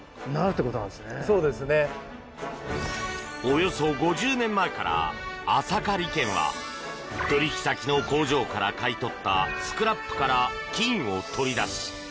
およそ５０年前からアサカ理研は取引先の工場から買い取ったスクラップから金を取り出し。